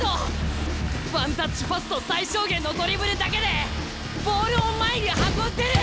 ワンタッチパスと最小限のドリブルだけでボールを前に運んでる！